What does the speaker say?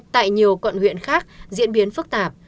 tại nhiều cận huyện khác diễn biến phức tạp